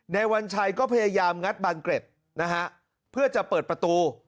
วัญชัยก็พยายามงัดบานเกร็ดนะฮะเพื่อจะเปิดประตู